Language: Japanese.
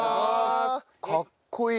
かっこいい！